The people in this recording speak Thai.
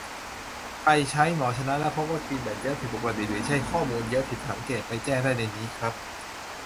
ใครใช้ หมอชนะ แล้วพบว่ากินแบตเยอะผิดปกติ หรือใช้ข้อมูลเยอะผิดสังเกต ไปแจ้งได้ในนี้ครับ